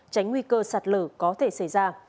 tránh nguy cơ sạt lở có thể xảy ra